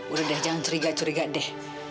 udah deh jangan curiga curiga deh